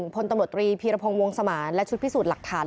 พลตำรวจตรีเพียรพงศ์วงศ์สมาน